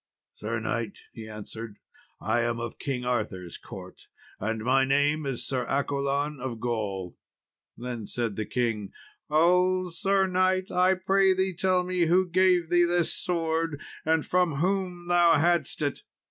"Sir knight," he answered, "I am of King Arthur's court, and my name is Sir Accolon of Gaul." Then said the king, "Oh, sir knight! I pray thee tell me who gave thee this sword? and from whom thou hadst it?"